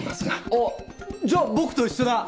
あっじゃ僕と一緒だ！